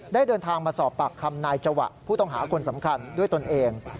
เดินทางมาสอบปากคำนายจวะผู้ต้องหาคนสำคัญด้วยตนเอง